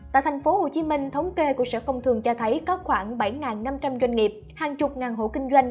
tại tp hcm thống kê của sở công thường cho thấy có khoảng bảy năm trăm linh doanh nghiệp hàng chục ngàn hộ kinh doanh